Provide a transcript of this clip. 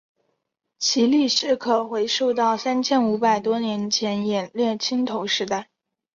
其历史可回溯到三千五百多年前的冶炼青铜时代。